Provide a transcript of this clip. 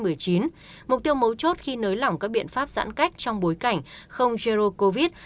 mục tiêu mấu chốt khi nới lỏng các biện pháp giãn cách trong bối cảnh không jero covid